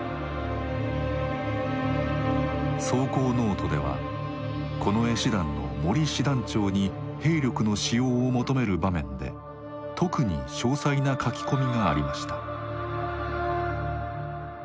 草稿ノートでは近衛師団の森師団長に兵力の使用を求める場面で特に詳細な書き込みがありました。